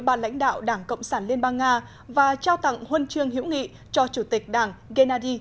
ba lãnh đạo đảng cộng sản liên bang nga và trao tặng huân chương hữu nghị cho chủ tịch đảng gennady